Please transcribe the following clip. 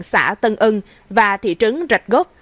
xã tân ân và thị trấn rạch gốc